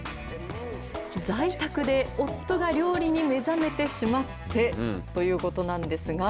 在宅で夫が料理に目覚めてしまって、ということなんですが。